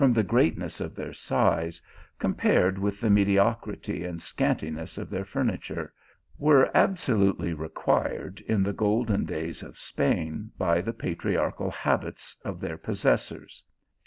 the greatness of their size compared with the medi ocrity and scantiness of their furniture, were abso lutely required in the golden days of Spain by the patriarchal habits of their possessors.